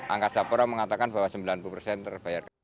angkasa pura mengatakan bahwa sembilan puluh persen terbayar